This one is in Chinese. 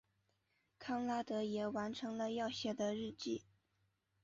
康拉德也完成了要写的日记。